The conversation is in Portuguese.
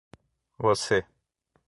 Você